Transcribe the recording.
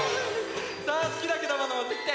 さあすきなくだものもってきて！